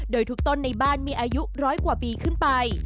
โดยทุกต้นในบ้านมีอายุร้อยกว่าปีขึ้นไป